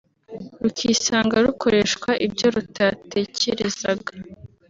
rukisanga rukoreshwa ibyo rutatekerezaga